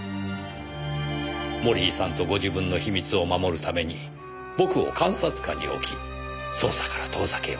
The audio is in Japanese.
森井さんとご自分の秘密を守るために僕を監察下に置き捜査から遠ざけようとした。